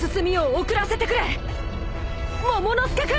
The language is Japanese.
モモの助君！